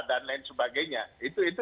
dan lain sebagainya itu itu